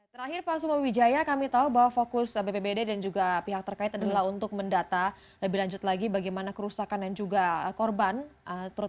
terakhir pak suma wijaya kami tahu bahwa fokus bpbd dan juga pihak terkait adalah untuk mendata lebih lanjut lagi bagaimana kerusakan dan juga korban